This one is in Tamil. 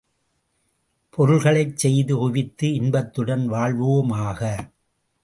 பொருள்களைச் செய்து குவித்து இன்பத்துடன் வாழ்வோமாக!